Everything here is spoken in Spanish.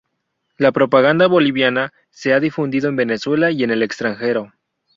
La propaganda bolivariana se ha difundido en Venezuela y en el extranjero.